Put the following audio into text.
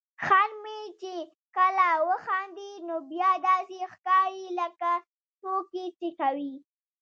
خر مې چې کله وخاندي نو بیا داسې ښکاري لکه ټوکې چې کوي.